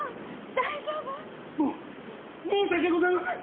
大丈夫？も申し訳ございません！